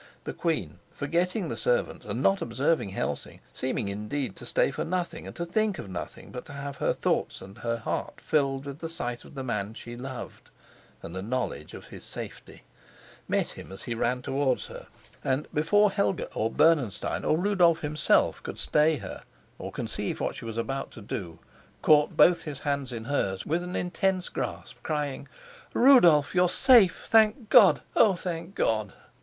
The queen, forgetting the servants, and not observing Helsing seeming indeed to stay for nothing, and to think of nothing, but to have her thoughts and heart filled with the sight of the man she loved and the knowledge of his safety met him as he ran towards her, and, before Helga, or Bernenstein, or Rudolf himself, could stay her or conceive what she was about to do, caught both his hands in hers with an intense grasp, crying: "Rudolf, you're safe! Thank God, oh, thank God!"